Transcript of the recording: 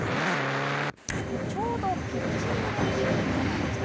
ちょうどピッチング練習の時間でした。